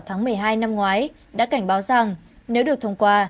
tháng một mươi hai năm ngoái đã cảnh báo rằng nếu được thông qua